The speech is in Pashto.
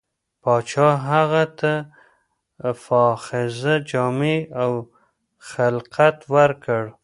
پاچا هغه ته فاخره جامې او خلعت ورکړ.